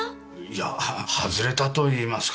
いや外れたといいますか。